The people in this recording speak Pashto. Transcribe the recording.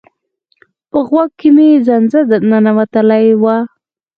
په غوږ کی می زنځه ننوتلی وه